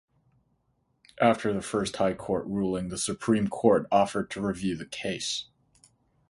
After the first High Court ruling, the Supreme Court offered to review the case.